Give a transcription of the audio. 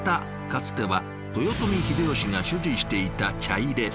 かつては豊臣秀吉が所持していた茶入れ。